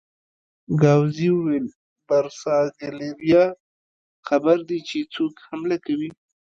ګاووزي وویل: برساګلیریا خبر دي چې څوک حمله کوي؟